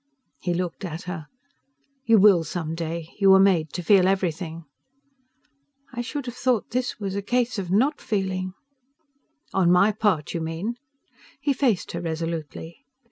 He looked at her. "You will some day: you were made to feel everything" "I should have thought this was a case of not feeling " "On my part, you mean?" He faced her resolutely.